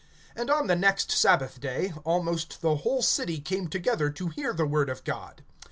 (44)And on the next sabbath day, almost the whole city came together to hear the word of God.